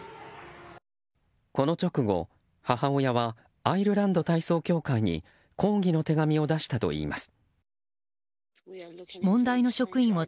この直後、母親はアイルランド体操協会に抗議の手紙を出したといいます。